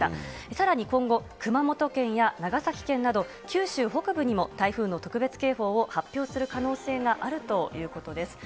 さらに今後、熊本県や長崎県など、九州北部にも台風の特別警報を発表する可能性があるということです。